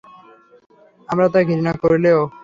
আমরা তা ঘৃণা করলেও?